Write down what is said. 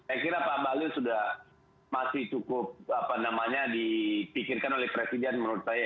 saya kira pak bahlil sudah masih cukup dipikirkan oleh presiden menurut saya